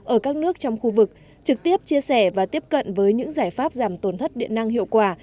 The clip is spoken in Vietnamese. ở các nước trong khu vực trực tiếp chia sẻ và tiếp cận với những giải pháp giảm tổn thất điện năng hiệu quả